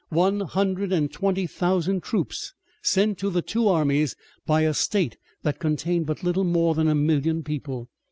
One hundred and twenty thousand troops sent to the two armies by a state that contained but little more than a million people!